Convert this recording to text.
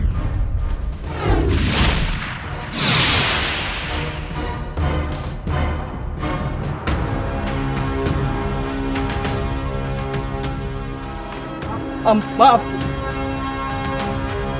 tuhan maafkan aku